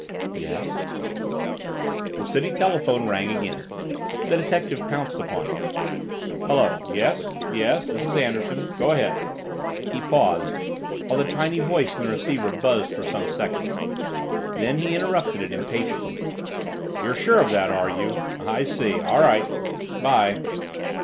"Yes." The city telephone rang again. The detective pounced upon it. "Hello yes yes this is Anderson go ahead." He paused, while the tiny voice in the receiver buzzed for some seconds. Then he interrupted it impatiently. "You're sure of that, are you? I see. All right. 'By."